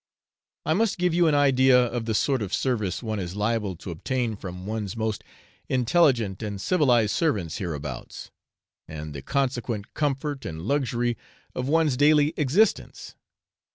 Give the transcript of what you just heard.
I must give you an idea of the sort of service one is liable to obtain from one's most intelligent and civilised servants hereabouts, and the consequent comfort and luxury of one's daily existence.